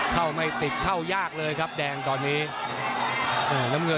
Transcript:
เท่าไม่ติดเท่ายากเลยครับแดงตอนนี้